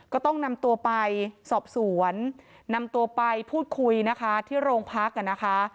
ก็ต้องนำตัวไปสอบสวนนำตัวไปพูดคุยนะคะที่โรงพักอ่ะนะคะ